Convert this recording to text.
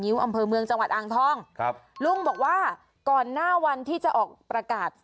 ิ้วอำเภอเมืองจังหวัดอ่างทองครับลุงบอกว่าก่อนหน้าวันที่จะออกประกาศ